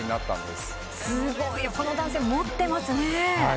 すごい、この男性持ってますね。